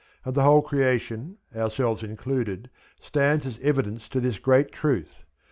And the whole creation, ourselves included, stands as evidence to this great truth.